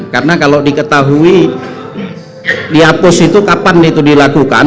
karena kalau diketahui dihapus itu kapan itu dilakukan